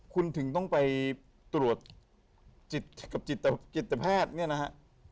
คุณถึงต้องไปตรวจกับกฤตภาพเนี่ยนะฮะ